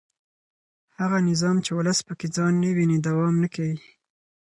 هغه نظام چې ولس پکې ځان نه ویني دوام نه کوي